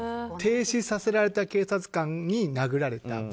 停止させられた警察官に殴られた。